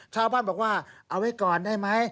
ชาวบ้านบอกว่าเอาไว้ก่อนได้ไหม